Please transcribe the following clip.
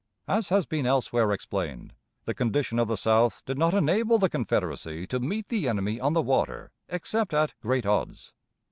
As has been elsewhere explained, the condition of the South did not enable the Confederacy to meet the enemy on the water except at great odds.